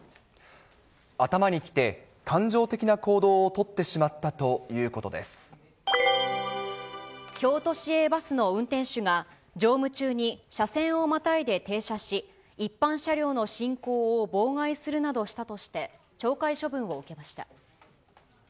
頭に来て、感情的な行動を取京都市営バスの運転手が、乗務中に車線をまたいで停車し、一般車両の進行を妨害するなどしたとして、懲戒処分を受けました。